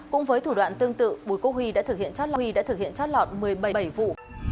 cũng với thủ đoạn tương tự bùi quốc huy đã thực hiện chót lọt một mươi bảy vụ